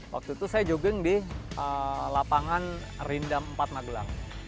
waktu itu saya jogeng di lapangan rindam empat magelang